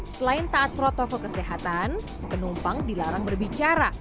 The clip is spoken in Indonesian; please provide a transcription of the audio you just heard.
selain taat protokol kesehatan penumpang dilarang berbicara